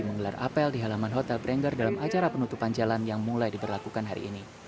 menggelar apel di halaman hotel brand dalam acara penutupan jalan yang mulai diberlakukan hari ini